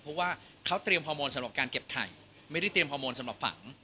เพราะว่าเขาเตรียมฮอร์โมนสำหรับการเก็บไข่ไม่ได้เตรียมฮอร์โมนสำหรับฝัง